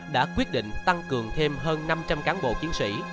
đã quyết định tăng cường thêm hơn năm trăm linh cán bộ chiến sĩ